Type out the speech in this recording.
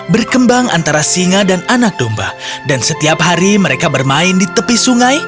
berkembang antara singa dan anak domba dan setiap hari mereka bermain di tepi sungai